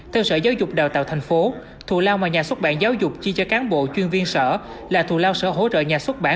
theo sở giáo dục đào tạo tp thủ lao mà nhà xuất bản giáo dục chi cho cán bộ chuyên viên sở là thù lao sở hỗ trợ nhà xuất bản